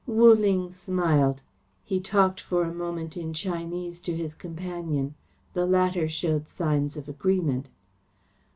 Wu Ling smiled. He talked for a moment in Chinese to his companion. The latter showed signs of agreement.